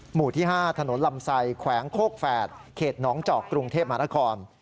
หมู่ที่๕ถนนลำไสแขวงโคกแฝดเขตน้องจอกกรุงเทพมหานคร